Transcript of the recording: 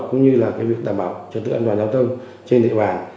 cũng như là cái việc đảm bảo trật tự an toàn giao thông trên địa bàn